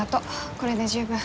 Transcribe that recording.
これで十分。